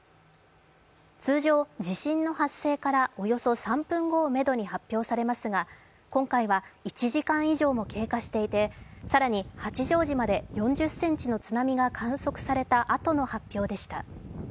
通常、地震の発生からおよそ３分後をめどに発表されますが今回は１時間以上も経過していて更に八丈島で４０ｃｍの津波が観測されたあとの発表でした。